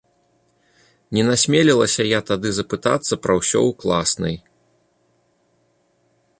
Не насмелілася я тады запытацца пра ўсё ў класнай.